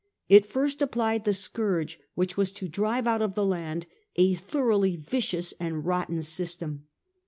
It first applied the scourge which was to drive out of the land a thoroughly vicious and rotten system.